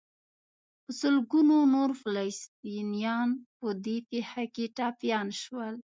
په سلګونو نور فلسطینیان په دې پېښه کې ټپیان شول.